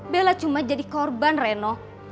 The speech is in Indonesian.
bella cuma jadi korban reno